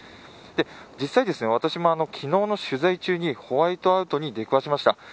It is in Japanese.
実際、私も昨日の取材中にホワイトアウトに出くわしました。